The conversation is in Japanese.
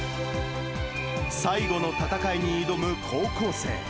最後の戦いに挑む高校生。